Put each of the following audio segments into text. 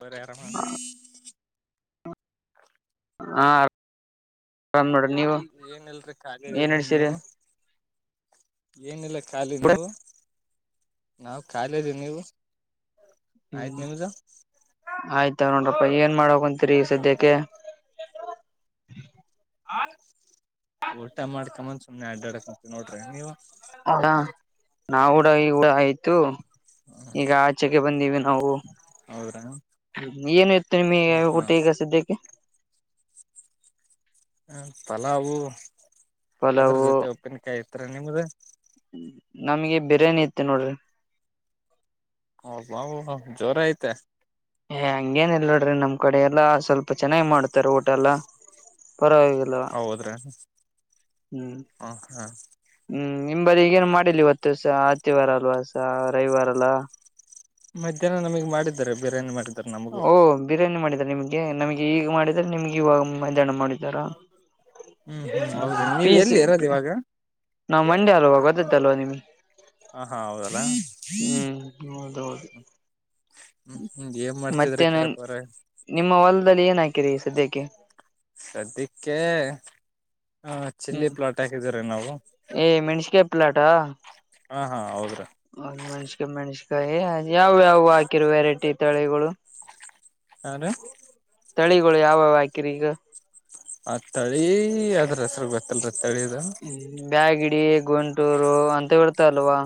ಬರ್ರಿ ಆರಾಮ ಹಾ ಆರಾಮ್ ನೋಡ್ರಿ ನೀವು ಏನಲ್ರಿ ಏನ್ ಖಾಲಅದಿರಿ ನಡ್ಸಿರಿ ನೀವು ಏನಲ್ಲ- ಖಾಲಿ ಇದ್ದೀವಿ ನೀವು ನಾವು ಖಾಲಿದ ನೀವು ಆಯ್ತ ಹ್ಮ್ ನಿಮ್ದು ಆಯ್ತ ನೋಡ್ರಪ್ಪಾ ಏನ್ ಮಾಡಕಂತರಿ ಸದ್ಯಕ್ಕೆ. ಊಟ ಮಾಡ್ಕಮ್ಮನ್ ಸುಮ್ನೆ ಅಡ್ಡಾಡಕಂತಿನ ನೋಡ್ರಿ ನೀವು. ಹ ನಾ ಊಡ ಈಊಡ ಆಯ್ತು- ಹ ಈಗ ಆಚೆಗೆ ಬಂದೀವಿ ನಾವು ಹೌದ್ರಾ ಹ್ಮ ಏನ್ ಇತ್ತು ನಿಮಗೆ ಹ ಹಾ ಊಟ ಈಗ ಸದ್ಯಕ್ಕೆ- ಹ ಪಲಾವು ಅದ್ರ ಪಲಾವು ಜೊತೆ ಉಪ್ಪಿನಕಾಯಿ ಇತ್ರರ ನಿಮ್ದ- ನಮ್ಗೆ ಬಿರಿಯಾನಿ ಇತ್ತ ನೋಡ್ರಿ. ಅಬಾಬಾ ಜೋರ ಆಯ್ತೆ ಏ ಹಂಗೇನ್ ಇಲ್ಲ ನೋಡ್ರಿ ನಮ್ ಕಡೆ ಎಲ್ಲಾ ಸ್ವಲ್ಪ ಚೆನ್ನಾಗಿ ಮಾಡ್ತಾರ ಊಟ ಎಲ್ಲಾ ಪರವಾಗಿ- ಹಲೋ ಹೌದ್ರಾ ಹ್ಮ್ ಹ ಹಾ ಹ್ಮ್ ನಿಂಬಲ್ಲಿ ಈಗೇನ್ ಮಾಡಿಲ್ಲ ಇವತ್ತು ಸ ಆತಿಿವಾರ ಅಲ್ವಾ ಸ ರವಿವಾರ ಅಲ್ಲಾ. ಮಧ್ಯಾಹ್ನ ನಮ್ಗೆ ಮಾಡಿದ್ದಾರೆ ಬೇರೆಯೇ ಮಾಡ- ಓಹ ಬಿರಿಯಾನಿ ಮಾಡಿದ್ದಾರೆ ನಿಮ್ಗೆ ನಮಗೆ ಈಗ ಮಾಡಿದ್ರ ನಿಮ್ಗೆ ಇವಾಗ ಮೈ್ಯಾಹಾನ ಮಾಡ ಜರ ಹ್ಮ್ ಹ್ಮ್ ಹೌದು ಪ ನೀವ್ ಎಲ್ಲಿ ಇರೋದ್ ಇವಾಗ [unintelligible] ನಾ್ ಮಂಡಿ ಅಲ್ವ ಗೊತ್ತದಲ್ವಾ ನಿಮಗೆ ಹ ಹಾ ಹೌದಲ್ಲ ಹ್ಮ್ ಹೌದೌದು ಹ್ಮ್ ಹ್ಮ್ ಏನ್ ಮಾಡ್ತಿದ್ರಿ ಮತ್ತೆ ಕರೆಪವ್ರೆ ನಿಮ್ಮ ಹೊಲದಲ್ಲಿ ಏನ್ ಹಾಕಿರಿ ಸದ್ಯಕ್ಕೆ ಸದ್ಯಕ್ಕೆ ಆ ಚಿಲ್ಲಿ ಹ್ಮ್ ಪ್ಲಾಟ್ ಹಾಕಿದೀವರಿ ನಾವು ಏ ಮೆಣಸಿನಕಾಯಿ ಪ್ಲಾಟಾ ಹಾ ಹಾ ಹೌದ್ರಿ ಹ್ ಮೆಣ್ಸಕಾಯಿ ಮೆಣ್ಸಕಾಯಿ ಯಾವ ಯಾವ ಹಾಕಿರ ವೆರೈಟಿ ತಳಿಗಳು [unintelligible] ತಳಿಗಳು ಯಾವಾವ ಹಾಕಿರಿ ಈಗ ಆ ತಳಿ ಅದ್ರ ಹೆಸ್ರು ಗೊತ್ತಲ್ರೀ ತಳಿದು ಬ್ಯಾಡಗಿ ಗುಂಟೂರು ಹಂತಾವ ಇರ್ತಾವ್ ಅಲ್ವಾ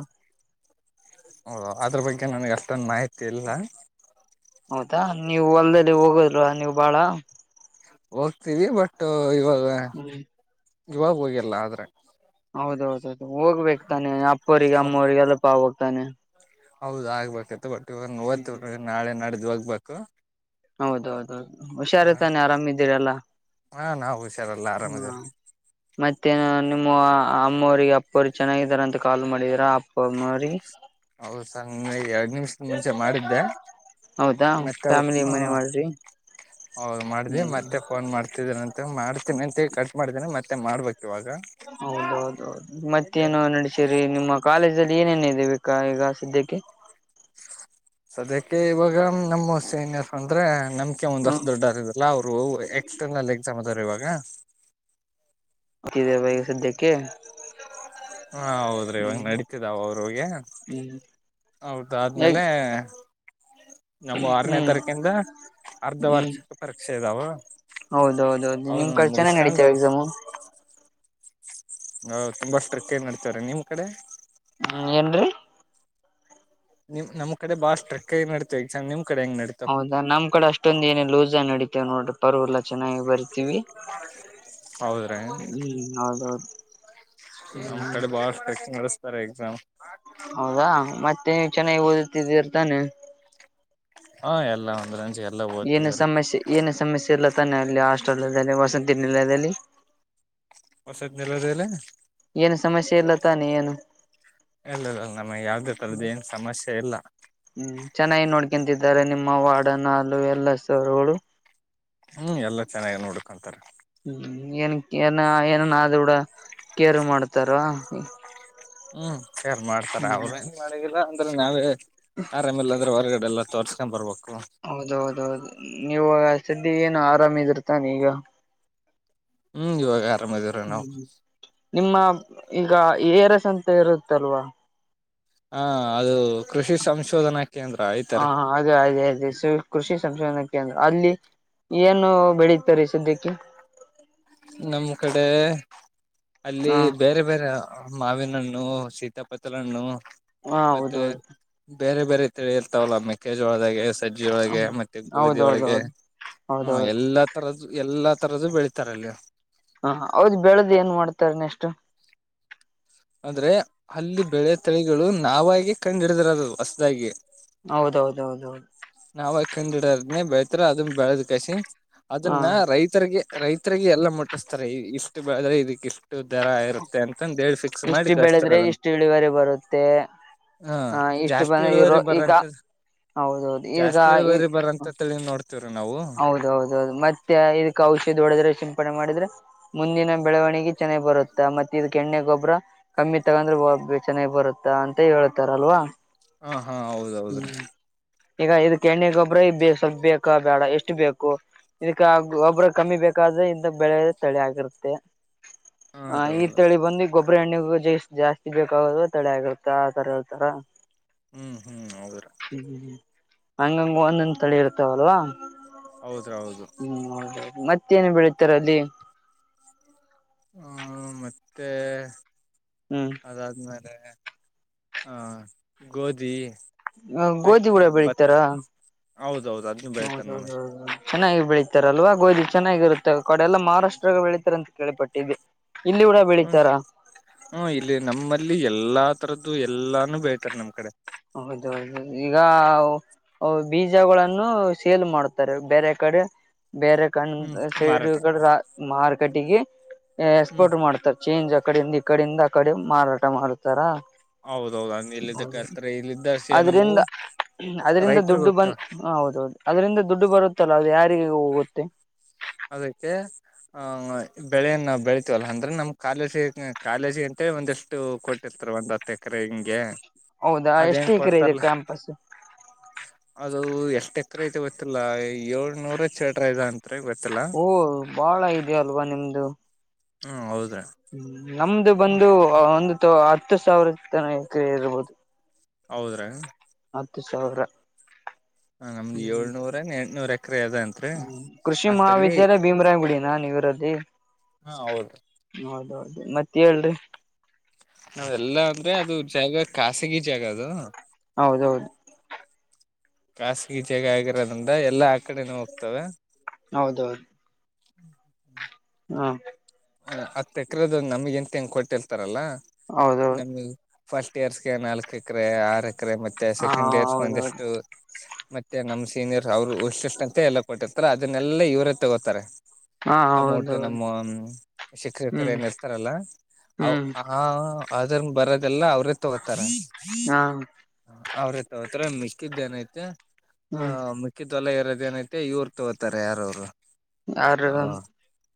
ಓ ಅದ್ರ ಬಗ್ಗೆ ನನ್ಗೆ ಅಷ್ಟೊಂದು ಮಾಹಿತಿ ಇಲ್ಲಾ ಹೌದಾ ನೀವು ಹೊಲ್ದಲ್ಲಿ ಹೋಗೋದಲ್ವಾ ನೀವು ಬಾಳಾ ಹೋಗ್ತೀವಿ ಬಟ್ ಇವಾಗ ಹ್ಮ್ ಇವಾಗ ಹೋಗಿಲ್ಲ ಆದ್ರೆ ಹೌದೌದೌದು ಹೋಗ್ಬೇಕ ತಾನೆ ಅಪ್ಪವರಿಗೆ ಅಮ್ಮವರಿಗೆ ಹೆಲ್ಲಪ್ಪಾ ಆಗಬೇಕತಾನೆ ಹೌದ್ ಆಗ್ಬೇಕತ್ತು ಬಟ್ [unintelligible] ವಟ ಹೋತೀವ್ರಿ ನಾಳೆ ನಾಡ್ದು ಹೋಗ್ಬೇಕು ಹೌದೌದೌದು ಹ ಹುಷಾರ ತಾನೆ ಆರಾಮ ಇದಿರಲ್ಲಾ ಹಾ ನಾವು ಹುಷಾರಲ್ಲ ಹೂ ಆರಾಮದೇವ್ರಿ ಮತ್ತೇ ನಿಮ್ಮ ಅಮ್ಮವರಿಗೆ ಅಪ್ಪಾಅವರಿಗೆ ಚೆನ್ನಾಗಿದ್ದೀರಾ ಅಂತ ಕಾಲ್ ಮಾಡಿದೀರಾ ಅ ಪ್ಪಮರಿ ಹೌದು ಸಂಗೈ ಎರಡ್ ನಿಮಿಷ ಮುಂಚೆ ಮಾಡಿದ್ದೆ ಹೌದಾ ಫ್ಯಾಮಿಲಿ ಮನೆ ಮಾಡ್ರಿ ಹೌದ ಮಾಡಿದಿ ಹ್ಮ್ ಮತ್ತೆ ಫೋನ್ ಮಾಡ್ತಿದ್ದೀನಿ ಮತ್ತೆ ಮಾಡ್ತೀನಿ ಅಂತೆ ಕಟ್ ಮಾಡಿದೀನಿ ಮತ್ತೆ ಮಾಡ್ಬೇಕ ಇವಾಗ ಹೌದ ಹೌದ ಹೌದ ಮತ್ತೇನು ನಡಸಿರಿ ನಿಮ್ಮ ಕಾಲೇಜಲ್ಲಿ ಏನೇನ್ ಇದೆ [inaudible] ಬೇಕಾ ಈಗ ಸದೀಕ್ಕೆ ಸದ್ಯಕ್ಕೆ ಇವಾಗ ನಮ್ಮ ಸೈನ್ ಅಪ್ ಅಂದ್ರೆ ನಮ್ಕೆ ಒಂದ ವರ್ಷ ಹ್ಮ್ ದೊಡ್ಡೋರ ಇರ ಇಲ್ಲಾ ಅವರು ಎಕ್ಸ್ಟರ್ನಲ್ ಎಕ್ಸಾಮ್ ಅದಾವರೀ ಇವಾಗ ಇದೇ ಬಾಯಿ ಸದ್ಯಕ್ಕೆ ಹಾ ಹೌದ್ರಿ ಇವಾಗ ಹ್ಮ್ ನೆಡಿತಿದೆ ಅವಗರ ಹೋಗೆ ಹ್ಮ್ ಅವರದ ಹೇಗ್ ಆದ್ಮೇಲೆ ನಮೂ ಆರನೇ ಹ್ಮ್ ತಾರೀಕಿಂದ ಅರ್ಧ ಹ್ಮ್ ವಾರ್ಷಿಕ ಪರೀಕ್ಷೆ ಅದಾವ ಹೌದೌದೌದು ಅವನ್ ನಿಮ್ ಕಡೆ ಚೆನ್ನಾಗ್ ಮುಗುಸ್ಕೊಂಡು ನಡೀತಾವ ಎಕ್ಸಾಮು ತುಂಬಾ ಸ್ಟ್ರಿಕ್ ಆಗಿ ನಡೀತಾರೆ ನಿಮ್ಮ ಕಡೆ ಹ್ಮ ಏನ್ರರಿ ನಿಮ್ಮ ನಮ್ ಕಡೆ ಬಾಳ ಸ್ಟ್ರಿಕ್ ಆಗಿ ನಡತವ ಎಕ್ಸಾಮ್ ನಿಮ್ ಕಡೆ ಹೆಂಗ ನಡಿ ಹೌದಾ ನಮ್ಮ ಕಡೆ ಅಷ್ಟೊಂದ ಏನಿಲ್ಲ ಲೂಸ್ ಆಗಿ ನಡಿತೇವ ನೋಡ್ರಿ ಪರ್ಲ್ಲ ಚೆನ್ನಾಗಿ ಬರಿತೀವಿ ಹೌದ್ರಿ ಹ್ಮ್ ಹೌದೌದು ನಮ್ಮ್ ಹ್ಮ್ ಕಡೆ ಬಾಳ ಸ್ಟಿಕ್ ಆಗಿ ನಡೆಸ್ತಾರೆ ಎಕ್ಸಾಮ್ ಹೌದಾ ಮತ್ತೆ ನೀ ಚೆನ್ನಾಗಿ ಓದುತ್ತಿದ್ದಿರ್ತಾನೆ ಹಾ ಎಲ್ಲಾ ಒಂದು ರೇಂಜಿಂಗ್ ಏನ ಸಮಸ್ಯೆ ಏನ ಸಮಸ್ಯೆ ಇಲ್ಲ ತಾನೆ ಅಲ್ಲಿ ಹಾಸ್ಟೆಲ್ನಲ್ಲಿ ವಸತಿ ನಿಲಯದಲ್ಲಿ ವಸತಿ ನಿಲಯದಲ್ಲಿ ಏನು ಸಮಸ್ಯೆ ಇಲ್ಲ ತಾನೆ ಏನು ಇಲ್ಲಲ್ಲ ನಮ ಯಾವುದೇ ತರದ ಏನ್ ಸಮಸ್ಯೆ ಇಲ್ಲ ಹ್ಮ್ ಚೆನ್ನಾಗಿ ನೋಡ್ಕಂತಿದ್ದಾರೆ ನಿಮ್ಮ ವಾರ್ಡ ನಲು ಎಲ್ಲ ಸರುಗಳು ಹ್ಮ್ ಎಲ್ಲಾ ಚೆನ್ನಾಗಿ ನೋಡ್ಕೊಂತಾರೆ ಹ್ಮ್ ಏನ್ ಏನ ಏನನ್ಡ ಕೇರ್ ಮಾಡ್ತಾರ ಹ್ಮ್ ಸಾರ್ ಮಾಡ್ತಾರ ಹ್ಮ್ ಅವ್ರ ಏನ್ ಮಾಡಿದಿಲ್ಲ ಅಂದ್ರೆ ನಾವೇ ಆರಾಮೇಲ್ಲ ಅಂದ್ರೆ ಹೊರಗಡೆ ಎಲ್ಲ ತೋರ್ಸ್ಕೊಂಡ್ ಬರ್ಬೇಕು ಹೌದ ಹೌದೌದು ನೀವಾಗ ಸ್ದಿ ಏನು ಆರಾಮಿದಿರ್ತಾನೆ ಈಗ ಹ್ಮ್ ಇವಾಗ ಆರಾಮದ ಹ್ಮ್ ನಿಮ್ಮ ಈಗ ಏರಸ್ ಅಂತ ಇರುತ್ತಲ್ವಾ ಹಾ ಅದು ಕೃಷಿ ಸಂಶೋಧನಾ ಕೇಂದ್ರ ಆಐ್ತರೆ ಅದೇ ಅದೇ ಕೃಷಿ ಸಂಶೋಧನಾ ಕೇಂದ್ರ ಅಲ್ಲಿ ಏನು ಬೆಳೀತಾರೆ ಸದ್ಯಕ್ಕೆ ನಮ್ ಕಡೆ ಅಲ್ಲಿ ಹ ಬೇರೆ ಬೇರೆ ಮಾವಿನಣ್ಣು ಸೀತಾಪತ್ರಲಣ್ಣು ಹ ಮತ್ತೆ ಹೌದೌದು ಬೇರೆ ಬೇರೆ ತಿಳಿ ಇರ್ತಾವಲ್ಲ ಮೆೇಕೇಜು ಒಳದಾಗ ಸಜ್ಜಿೊಳಗೆ ಮತ್ತೆ ಹೌದೌದೌದು ಗೋಧಿಳಗೆ ಹ ಹೌದೌದು ಎಲ್ಲಾ ತರದ ಎಲ್ಲಾ ತರದ್ದು ಬೆಳೀತಾರಲ್ಲಿ ಹ ಹೌದ್ ಬೆಳೆದ್ ಏನ್ ಮಾಡ್ತಾರ ನೆಷ್ಟು ಆದ್ರೆ ಅಲ್ಲಿ ಬೆಳೆ ತಳಿಗಳು ನಾವಾಗಿ ಕಂಡ್ ಹಿಡಿದರದು ಹೊಸದಾಗಿ ಹೌದೌದೌದೌದು ನಾವ ಕಂಡಿಡದ್ನನೆ ಬೆಳ್ತರ ಅದನ್ ಬೆಳದ ಕಸಿ ಹಾ ಅದನ್ನ ರೈತರಿಗೆ ರೈತರಿಗೆ ಎಲ್ಲ ಮುಟ್ಟಿಸ್ತಾರೆ ಇಷ್ಟು ಬೆಳ್ರೆ ಇದಕ್ಕ ಇಷ್ಟು ದರ ಇರುತ್ತೆ ಅಂತಂದು ಹೇಳಳ್ಫಕ್ ಇಷ್ಟು ಬೆಳೆದ್ರೆ ಇಷ್ಟು ಇಳಿವರಿ ಬರುತ್ತೆ ಹ ಇಷ್ಟು ಜಾಸ್ತಿ ಬಂದ ಇರೋ ಇಳುವರಿ ಈಗ ಬರಂತ ಹೌದೌದು ಈಗ ಈ ಅಂತ ತಿ ನೋಡ್ತಿವ್ ರಿ ನಾವು ಹೌದ ಹೌದೌದು ಮತ್ತೆ ಇದಕ್ಕೆ ಔಷಧಿ ಹೊಡೆದ್ರೆ ಸಿಪಣೆ ಮಾಡಿದ್ರೆ ಮುಂದಿನ ಬೆಳವಣಿಗೆ ಚೆನ್ನಾಗಿ ಬರುತ್ತಾ ಮತ್ತೆ ಇ ಕೆಣ್ಣೆ ಗೊಬ್ಬ್ರ ಕಮ್ಮಿ ತಗಂದ್ರೆ ಬಬ್ಬ ಚೆನ್ನಾಗ್ ಬರುತ್ತಾ ಅಂತ ಹೇಳ್ತಾರಲ್ವಾ ಹಾ ಹಾ ಹೌದೌದ್ರೀ ಹ್ಮ್ ಈಗ ಇದು ಕೆಣ್ಣೆ ಗೊಬರ ಬ ಸೊಬ್ ಬೇಕ ಬೇಡ ಎಷ್ಟು ಎಷ್ಟು ಬೇಕು ಇದಕ್ಕೆ ಒಬ್ರ ಕಮ್ಮಿ ಬೇಕಾದ್ರೆ ಇಂತ ಬೆಳೆ ತಳಿ ಆಗಿರುತ್ತೆ ಹಾ ಹ ರೀ ಈ ಹೌದು ತಳಿ ಬಂದು ಗೊಬರಿ ಎಣ್ಣೆಗೂ ಜ ಜಾಸ್ತಿ ಬೇಕಾಗದ ತಳಿ ಆಗಿರುತ್ತೆ ಆತರ ಹೇಳ್ತರ ಹ್ಮ್ ಹ್ಮ್ ಹೌದ್ರಿ ಹ್ಮ್ ಹಂಗಂಗ ಒಂದೊಂದ್ ತಳಿ ಇರ್ತವಲ್ವಾ ಹೌದ್ರ ಹೌದು ಹ್ಮ್ ಹೌದದು ಮತ್ತೇನು ಬೆಳಿತಾರ ಅಲ್ಲಿ ಹ್ಮ ಮತ್ತೆ ಹ್ಮ್ ಅದಾದ್ಮೇಲೆ ಆ ಗೋಧಿ ಗೋಧಿ ಅಕ್ಕಿ ಗುಡ ಭತ್ತ ಬೆಳಿತಾರ ಹೌದೌದು ಅದನ್ನು ಬೆಳಿತಾರ ಚೆನ್ನಾಗಿ ಬೆಳೀತಾರ ಅಲ್ವ ಗೋದಿ ಚೆನ್ನಾಗಿರುತ್ತೆ ಕಡೆ ಎಲ್ಲ ಮಹಾರಾಷ್ಟ್ರಾಗ ಬೆಳಿತತಾರೆ ಅಂತ ಕೇಳಳ್ಪಟ್ಟಿದ್ದಿದೆ ಇಲ್ಲಿೂ ಹ್ಮ್ ಹ್ಮ್ ಇಲ್ಲಿ ನಮ್ಮಲ್ಲಿ ಎಲ್ಲಾ ತರದ್ದು ಎಲ್ಲಾನು ಬೆಳತಾರೆ ನಮ್ ಕಡೆ ಹೌದೌದು ಈಗ ಬೀಜಗಳನ್ನು ಸೇಲ್ ಮಾಡ್ತಾರೆ ಬೇರೆ ಕಡೆ ಬೇರೆ ಹ್ಮ್ ಕಂಡ್ ಸೈಡ್ ಮಾರಾಟ ಮಾರ್ಕಟ್ಟಿಗೆ ಹ್ಮ್ ಎಕ್ಸ್ಪೋರ್ಟ್ ಮಾಡ್ತಾರೆ ಚೇಂಜ್ ಅಕಡಿಂದ ಈ ಕಡಿಂದ ಆಕಡೆ ಮಾರಾಟ ಮಾಡತಾರ ಹೌದೌದು ಹಂಗ ಇ ಇದಕ್ಕೆ ಹತ್ರ ಇಲ್ಲ ಇದ್ದ ಅದ್ರಂದ ಅದರಿಂದ ದುಡ್ಡು ಬಂದ ಹೋಗ್ತಾವ ಹ ಹೌದೌದು ಅದರಿಂದ ದುಡ್ಡು ಬರುತ್ತಲ್ಲ ಅದು ಯಾರಿಗ ಹೋಗುತ್ತೆ ಅದಕ್ಕೆ ಆ ಬೆಳೆಯನ್ನ ನಾವು ಬೆಳತೀವಲ್ಲ ಅಂದ್ರೆ ನಮ್ ಕಾಲೇಜಿ ಕಾಲೇಜಿ ಅಂತೇಳ ಒಂದಿಷ್ಟು ಕೊಟ್ಟಿರ್ತಾರೆ ಒಂದ್ ಹತ್ತು ಎಕರೆ ಹಿಂಗ- ಗೆ ಹೌದಾ ಎಷ್ಟು ಅದೇಂಗ ಎಕರೆ ಇದೆ ಕೊಡ್ತಾರಲ್ಲ- ಕ್ಯಾಂಪಸ್ ಅದು ಎಷ್ಟ್ ಎಕರೆ ಐತೆ ಗೊತ್ತಿಲ್ಲ ಏಳ್ನೂರ ಚ ಎಡ್ರ ಇದ ಅಂ್ರ ಗ- ಓಹ ಬಾಳ ಇದ ಅಲ್ವಾ ನಿಮ್ದು- ಹ್ಮ ಹೌದ್ರೀ ಹ್ಮ ನಮ್ದು ಬಂದು ಒಂದು ಹತ್ತು ಸಾವಿರ ತನ ಎಕರೆ ಇರ್ಬಹದು. ಹೌದ್ರಾ ಹತ್ತು ಸಾವಿರ ಹಾ ನಮ್ದ್ ಏಳ್ನೂರ ಅನ್ ಎಂಟ್ನೂರ ಎಕರೆ ಎ ಅದ ಅಂತ ್ಮ ಕೃಷಿ ಮಹಾವಿದ್ಯಾಲಯ ಭೀಮರಾಯ ಗುಡಿನ ನೀವರದಿ. ಹಾ ಹೌದು ಹೌದೌದು ಮತ್ತತ್ ಹೇಳ್ರರಿ ನಾವಲ್ಲಾ ಅಂದ್ರೆ ಅದು ಜಾಗ ಖಾಸಗಿ ಜಾಗ ಅದು ಹೌದೌದು ಖಾಸಗಿ ಜಾಗ ಆಗಿರೋದ್ರಿಂದ ಎಲ್ಲಾ ಆ ಕಡೆನ ಹೋಗ್ತವೆ ಹೌದೌದು ಹಾ ಹ ಅ್ ತಕ್ರದ ನಮಗ ಎಂತ ಹೆಂಗ್ ಕೊಟ್ಟಿರ್ತಾರಲ್ಲ ಹೌದೌದು ನಮ ಫಸ್ಟ್ ಇಯರ್ಸ್ಗೆ ನಾಲ್ಕ ಎಕರೆ ಆರ್ ಎಕರೆ ಮತ್ತೆ ಹಾ ಸೆಕೆಂಡ್ ಇಯರ್ಸ್ ಹೌದೌದು ಒಂದಿಷ್ಟು ಮತ್ತೆ ನಮ್ಮ್ ಸೀನಿಯರ್ ಅವರು ಇಶಷ್ಟ ಅಂತ ಎಲ್ಲ ಕೊಟ್ಟಿರ್ತಾರ ಅದನ್ನೆಲ್ಲಾ ಇವ್ರ ತಗೋತಾರೆ ಹಾ ಅಮ್ಮ ಒಟ್ಟು ಹೌದೌದು ನಮ್ಮ. ಶಿಖರ್ ಶಖರ ಹ್ಮ್ ಏನ ಇರ್ತಾರಲ್ಲ ಹ್ಮ್ ಆ- ಆದ್ರನ್ ಬರದೆಲ್ಲ ಅವ್ರೇ ತಗೋತಾರ- ಹಾ ಹ ಅವ್ರತತ್ರ ಮಿಸ್ಕಿದ್ದ ಏನೈತೆ ಆ ಹ್ಮ್ ಮ ಅ ತೊಲ ಇರೋದ ಏನೈಐತೆ ಇವರು ತಗೋತಾರೆ ಯಾರವ್ರು- ಯಾರು ಹ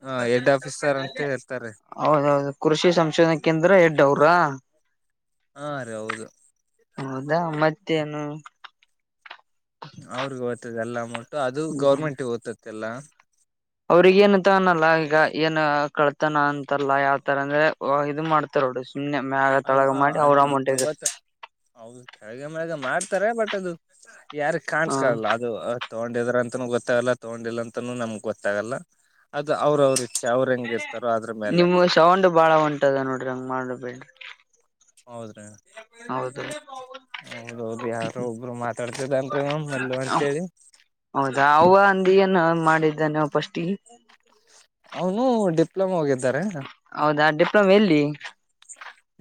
ಹ ಎಡ್ ಆಫೀಸರ್ ಅಂತ ಇರ್ತಾರೆ ಹೌದೌದು ಕೃಷಿ ಸಂಶೋಧನೆ ಕೇಂದ್ರ ಎಡ್ ಅವ್ರಾ ಹಾ ರೀ ಹೌದು ಹೌದಾ ಮತ್ತೇನು ಅವ್ರಗ್ ಓದ್ತದೆ ಎಲ್ಲ ಮುಟ್ಟು ಅದು ಗೌರ್ಮೆಂಟ್ ಓದ್ತಿ ಎಲ್ಲಾ ಅವ್ರಿಗೆ ಏನ ತಾನಲ್ಲ ಈಗ ಏನ್ ಕಳ್ತಾನ ಅಂತಲ್ಲ ಯಾವ್ತರ ಅಂದ್ರೆ ಇದು ಮಾಡ್ತಾರೋಡು- ಹಿಂಗೆ ನಿಮ್ೆ ಮ್ಯಾಗ ತೊಳಗ ಮಾಡಿ ಅವ್ರ ಅದನ್ನ ತಗೋತ ಅಮೌಂಟ್ೇಗಿರುತ್ತ ಹೌದು ಕೆಳಗೆ ಮಳಾಗ ಮಾಡ್ತಾರೆ ಬಟ್ ಅದು ಯಾರಗ್ ಹ ಕಾಣಸ್ಕಲ್ಲ- ತಗೊಂಡಿದ್ರ ಅಂತನೂ ಗೊತ್ತಾಗಲ್ಲ ತಗೊಂಡಿಲ್ಲ ಅಂತನೂ ನಮ್ಗ್ ಗೊತ್ತಾಗಲ್ಲ ಅದು ಅವ್ರ ಅವ್ರ ಅವ್ರು ಹೆಂಗ ಇರ್ತಾರೋ ಅದ್ರ ಮೇಲೆ ನಿಮ್ ಸೌಂಡ್ ಬಾಳ ಒಂಟದ ನೋಡ್ರಿ ಹಂಗ್ ಮಾಡ ಬೇನ್ರಿ ಹೌದ್ರಿ ಹೌದು ಹೌದೌದು ಯಾರ ಒಬ್ರು ಮಾತಾಡ್ತಿದಲ್ರಿ್ ಮಲ್ಲ ಅಂತೇಳಿ ಹೌದಾ ಅವ ಅಂದ ಏನು ಮಾಡಿದ್ದಾನೆ ಫಸ್ಟಿ ಅವನು ಡಿಪ್ಲೊಮಾ ಓದಿದರೆ- ಹೌದಾ ಡಿಪ್ಲೊಮೆ ಎಲ್ಲಿ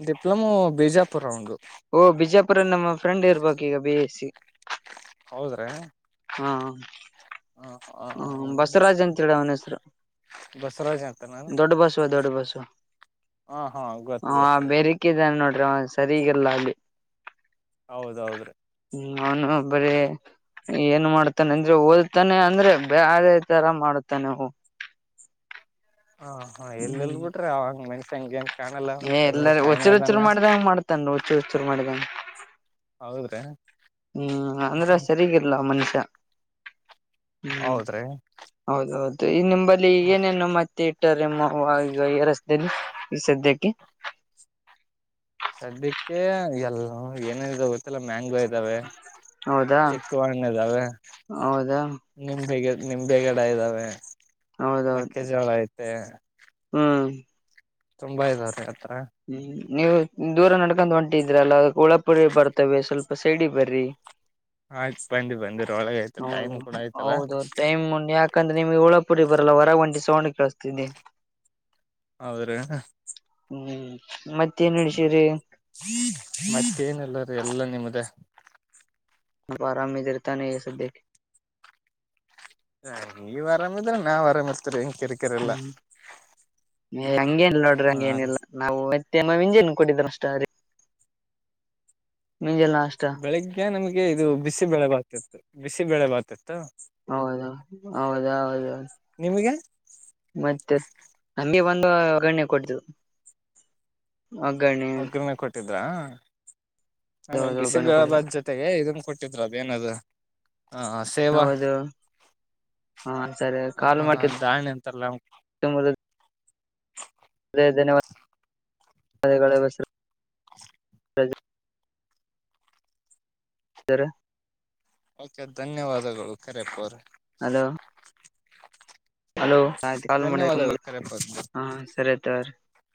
ಡಿಪ್ಲೊಮೋ ಬಿಜಾಪುರ್ ರೌಂಡ ಓ ಬಿಜಾಪುರ ನಮ್ಮ ಫ್ರೆಂಡ್ ಇರ್ಬೇಕು ಈಗ ಬಿ ಎಸ್ ಸಿ [unintelligible] ಹೌದ್ರ್ಯಾ ಹ್ಮ ಊ ಹ ಹ್ಮ ಬಸವರಾಜ್ ಅಂತೇಳಿ ಅವನ ಹೆಸರು. ಬಸುರಾಜ್ ಅಂತನಾ ದೊಡ್ಡ್ ಬಸುವ ದೊಡ್ಡ ಬಸುವ ಹಾ ಹಾ ಗೊತ್ತ್ ಹ ಗೊತ್ತು ಬೇರಕಿದಾನ್ ನೋಡ್ರಿ ಅವಾ ಸರಿಗಲ್ಲ ಅಲ್ಲಿ. ಹೌದ್ ಹೌದ್ರಿ ನಾನು ಬರೀ ಏನ್ ಮಾಡ್ತಾನೆ ಅಂದ್ರೆ ಓದತೆನಿ ಅಂದ್ರೆ [unintelligible] ಆ ಈ ತರ ಮಾಡುತ್ತೆನೆ ನೀವು ಹ ಹಾ ಎಲ್ಲೆಲ್ಲಿ ಹ್ಮ್ ಬಿಟ್ರಿ ಅವಂಗ್ ಮೈನ್ಸ್ ಹಂಗೆಂಗ ಏ ಇಲ್ಲರಿ ಹುಚ್ಚರ್ ಹುಚ್ಚರ್ ಮಾಡ್ದಂಗ ಮಾಡ್ತನ್ ಹುಚ್ಚ್ ಹಚ್ಚರ ಮಾಡ್ದಂಗ ಹೌದ್ರ್ಯಾ. ಹ್ಮ್ ಅಂದ್ರೆ ಸರಿಗಿರ್ಲ್ಲಾ ಮನುಷ್ಯ. [inaudible] ಹ್ಮ್ ಹೌದ್ರಿ ಹೌದೌದ ಈ ನಿಂಬಲ್ಲಿ ಈಗ ಏನೇನು ಮತ್ತೆ ಇಟ್ಟರೆ ನಿಮ್ಮ ಅವ್ವಾಗ ಈಗ ಏರಸ್ದಲ್ಲಿ ಈ ಸದ್ಯಕ್ಕೆ [inaudible] ಸದ್ಯಕ್ಕೆ ಎಲ್ಲ ಏನ ಇದ ಗೊ ಗೊತ್ತಿಲ್ಲ ಮ್ಯಾಂಗೋ ಇದ್ದಾವೆ ಹೌದಾ ಚಿಕ್ಕುಹಣ್ ಇದ್ದಾವೆ ಹೌದಾ ನಿಂಬೆಗಿ ನಿಂಬೆಗಿಡ ಇದ್ದಾವೆ ಹೌದೌದು ಮೆಕ್ಕೆ ಜೋಳ ಐತೆ ಹ್ಮ್ ತುಂಬಾ ಇದಾವ್ರ ಆತ್ರಾ ಹ್ಮ್ ನೀವು ದೂರ ನಡ್ಕೊಂಡ ಹೊಂಟಿದ್ರಲ್ಲ ಅದಕ್ ಉಳಪುರಿ ಬರ್ತವೆ ಸ್ವಲ್ಪ ಸೈಡಿಗೆ ಬರ್ರಿ. ಆಯ್ತ ಬಂದಿರ ಒಳಗ ಆಯ್ತ ಟೈಮ್ ಕೂಡ ಆಯ್ತಲ್ಲ ಹೌದ ಟೈಮ್ ಉಂಡ್ ಯಾಕಂದ್ರೆ ನಿಮ್ಗೆ ಉಳಹುಪುಡಿ ಬರಲ್ಲ ಹೊರಗ ಒಂಟಿ ಸೌಂಡ್ ಕೇಳಿಸ್ತಿದಿ. ಹೌದ್ರೀ ಹಾ ಹ್ಮ್ ಮತ್ತೇನ್ ನಡಿಸಿರಿ [unintelligible] ಮತ್ತೇನಿಲ್ಲ ರೀ ಎಲ್ಲ ನಿಮ್ದ ನಿವ್ ಆರಾಮ ಇದಿರತಾನೆ ಈ ಸಧ್ಯಕ್ಕೆ ಹ ನೀವ ಆರಾಮಿದ್ರೆ ನಾವ್ ಆರಾಮ ಇರ್ತರಿ ಹೆಂಗ್ ಕ ಹ್ಮ್ ಹಂಗೇನಿಲ್ ನೋಡ್ರಿ ಹಾ ಹಂಗೆನಿಲ್ಲ ನಾವು ಮತೆ [unintelligible] ಮಂಜೆನ್ ಕೊಟ್ಟಿದ್ರ ಅಷ್ಟ ರೀ ಮುಂಜೆಲೆ ನಾಷ್ಟಾ ಈ ನಮ್ಗೆ ಇದು ಬಿಸಿ ಬೆಳೆ ಬಾತಿತ್ತ್ ಬಿಸಿ ಬೆಳೆ ಬಾತಿತ್ತ್. ಹೌದಾ ಹೌದಾ ಹೌದ ನಿಮ್ಗೆ ಮತ್ತೆ ಹಂಗೆ ಬಂದು ಒಗ್ಗರಣೆ ಕೊಡ್ತು ಒಗ್ಗರಣೆ ಒಗ್ಗರಣೆ ಕೊಟ್ಟಿದ್ರಾ ಆಮೇಲೆ ಹೌದು ಬಿಸಿ ಒಗ್ಗರಣೆ ಬೆಳೆ ಕೊಡ್ತು ಬಾತ್ ಜೊತೆ ಜೊತೆಗೆ ಇದನ್ ಕೊಟ್ಟಿದ್ರು ಅದೇನದು ಹಾ ಆ ಸೇವಾ ಹೌದು ಹಾ ಸರಿ ಕಾಲ್ ಹ ಮಾಡ್ಕೆ ದಾಣಿ ಅಂತಾರತಲ್ಲ ಅವ [unintelligible] ಧನ್ಯವಾದಗಳು [unintelligible] ಧ್ಯನ್ಯವಾದಗಳಿಗೋಸ್ಕರಾ ಸರ [unintelligible] ಓಕೆ ಧನ್ಯವಾದಗಳು ಕರೆಪ್ಪಾ ಅವ್ರೆ. ಹಲೋ ಹಲೋ ಆಯ್ತ ಕಾಲ್ ಮಾಡರಿ ಧನ್ಯವಾದಗಳು [unintelligible] ಕರೆಪ್ಪ ಅವ್ರೆ ಹ ಸರಿ ಅಯ್ತೀ ತಗೊರಿ